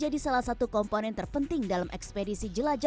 tapi partilian selanjutnya ada tentang ekspedisi perjalannya